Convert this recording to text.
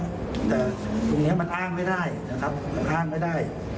แต่ตรงนี้มันอ้างไม่ได้นะครับมันอ้างไม่ได้